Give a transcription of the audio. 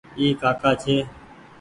اي ڪآڪآ ڇي ۔